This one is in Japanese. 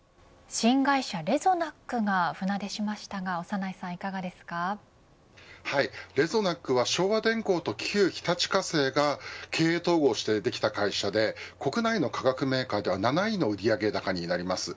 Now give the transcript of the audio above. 新会社レゾナックが船出しましたがはい、レゾナックは昭和電工と旧日立化成が経営統合してできた会社で国内の化学メーカーでは７位の売上高になります。